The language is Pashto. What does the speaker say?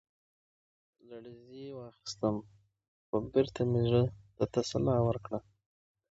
لـړزې واخيسـتم ، خـو بـېرته مـې زړه تـه تـسلا ورکړه.